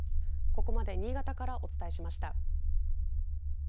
ここまで新潟からお伝えしました。